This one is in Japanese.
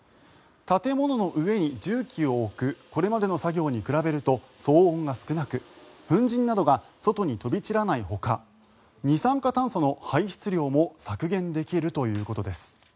建物の上に重機を置くこれまでの作業に比べると騒音が少なく、粉じんなどが外に飛び散らないほか二酸化炭素の排出量も削減できるということです。